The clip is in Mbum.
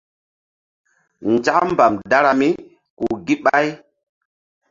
Nzak mbam dara míku gíɓay.